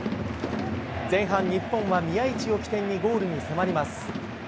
前半、日本は宮市を起点にゴールに迫ります。